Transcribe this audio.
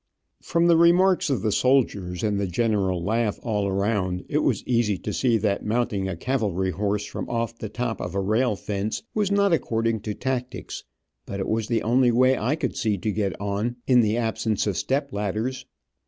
From the remarks of the soldiers, and the general laugh all around, it was easy to see that mounting a cavalry horse from off the top of a rail fence was not according to tactics, but it was the only way I could see to get on, in the absence of step ladders.